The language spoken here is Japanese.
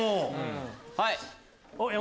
はい。